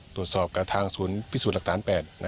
ตรวจสอบกับทางศูนย์พิสูจน์หลักฐาน๘